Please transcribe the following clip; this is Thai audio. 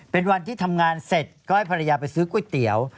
เป็นวันที่ทำงานเสร็จก็ให้ภรรยาไปซื้อก๋วยเตี๋ยว